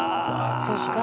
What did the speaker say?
そっか。